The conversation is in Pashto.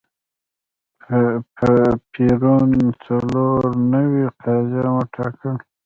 پېرون څلور نوي قاضیان وټاکل.